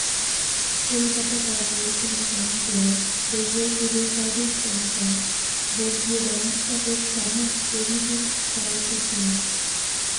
কলিকাতা কর্পোরেশনের councillor, Bengal civil service commission, বঙ্গীয় ব্যবস্থাপক সভা প্রভৃতির সদস্য ছিলেন।